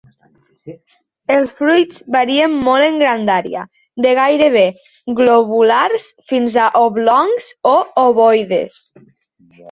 Els fruits varien molt en grandària, de gairebé globulars fins a oblongs o ovoides.